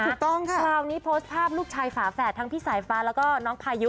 คราวนี้โพสต์ภาพลูกชายฝาแฝดทั้งพี่สายฟ้าแล้วก็น้องพายุ